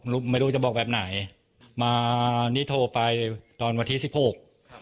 ไม่รู้ไม่รู้จะบอกแบบไหนมานี่โทรไปตอนวันที่สิบหกครับ